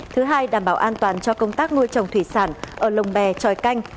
thứ hai đảm bảo an toàn cho công tác nuôi trồng thủy sản ở lồng bè tròi canh